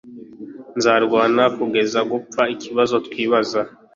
Nzarwana kugeza gupfa ikibazo twibaza